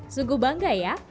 sungguh bangga ya